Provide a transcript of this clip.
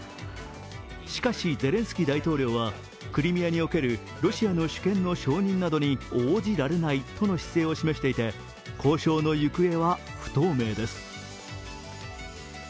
しかし、ゼレンスキー大統領はクリミアにおけるロシアの主権の承認などに応じられないとの姿勢を示していて交渉の行方は不透明です。